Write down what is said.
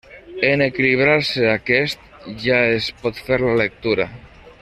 En equilibrar-se aquest ja es pot fer la lectura.